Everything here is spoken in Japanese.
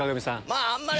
まぁあんまり。